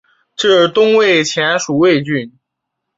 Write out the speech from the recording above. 至东魏前属魏郡。